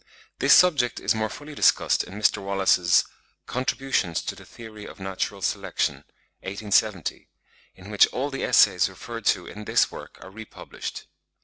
This subject is more fully discussed in Mr. Wallace's 'Contributions to the Theory of Natural Selection,' 1870, in which all the essays referred to in this work are re published.